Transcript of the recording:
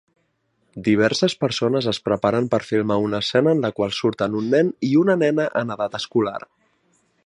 Diverses persones es preparen per filmar una escena en la qual surten un nen i una nena en edat escolar.